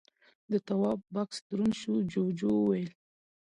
د تواب بکس دروند شو، جُوجُو وويل: